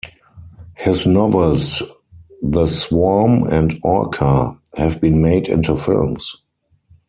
His novels "The Swarm" and "Orca" have been made into films.